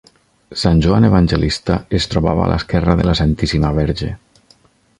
Sant Joan Evangelista es trobava a l'esquerra de la Santíssima Verge.